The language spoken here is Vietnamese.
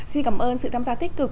xin cảm ơn sự tham gia tích cực